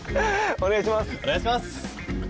お願いします